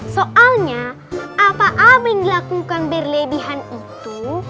soalnya apa apa yang dilakukan berlebihan itu